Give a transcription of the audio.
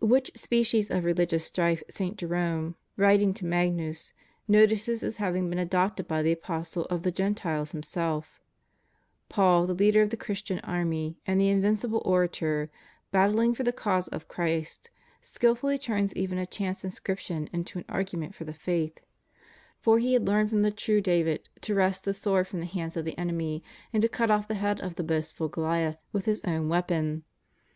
Which species of religious strife St. Jerome, writing to Magnus, notices as having been adopted by the apostle of the Gentiles himself : Paul, the leader of the Christian army and the invincible orator, battling for the cause of Christ, skilfully turns even a chance inscription into an argu ment for the faith; for he had learned from the true David to wrest the sword from the hands of the enemy and to cut off the head of the boastful Goliath with his » Const, cit. cap. 4. ' Strom., lib. i. c. 20. THE STUDY OF SCHOLASTIC PHILOSOPHY. 41 own weapon.